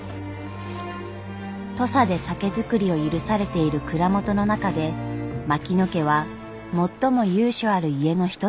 土佐で酒造りを許されている蔵元の中で槙野家は最も由緒ある家の一つでした。